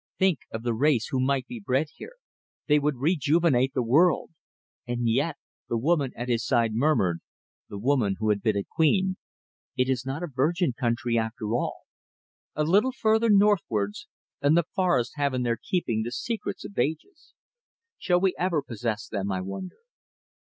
Think of the race who might be bred here! They would rejuvenate the world!" "And yet," the woman at his side murmured, the woman who had been a queen, "it is not a virgin country after all. A little further northwards and the forests have in their keeping the secrets of ages. Shall we ever possess them, I wonder!"